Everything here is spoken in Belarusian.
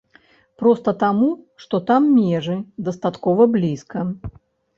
Проста таму, што там межы дастаткова блізка.